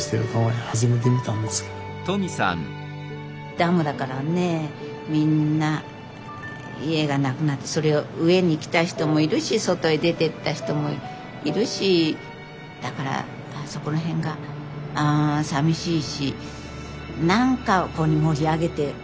ダムだからねみんな家がなくなってそれを上に来た人もいるし外へ出てった人もいるしだからそこら辺がさみしいし何かをこう盛り上げてねえ